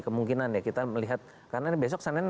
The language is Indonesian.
kemungkinan ya kita melihat karena besok senin